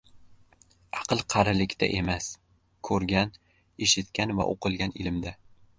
• Aql qarilikda emas, ko‘rgan, eshitgan va o‘qilgan ilmda.